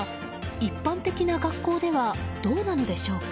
一般的な学校ではどうなのでしょうか？